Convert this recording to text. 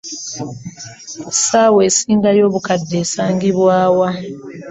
Essaawa esingayo obukadde esangibwa wa?